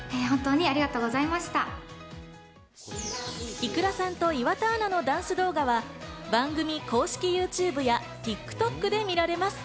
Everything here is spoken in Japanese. ｉｋｕｒａさんと岩田アナのダンス動画は番組公式ＹｏｕＴｕｂｅやＴｉｋＴｏｋで見られます。